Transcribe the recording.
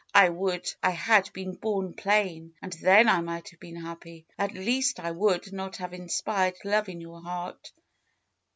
I would I had been bom plain, and then I might have been happy. At least I would not have inspired love in your heart."